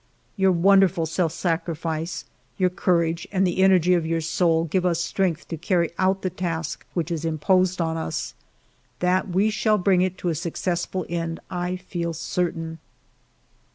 ..." Your wonderful self sacrifice, your courage, and the energy of your soul give us strength to carry out the task which is imposed on us. That we shall bring it to a successful end, I feel certain."